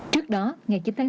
trước đó ngày chín tháng sáu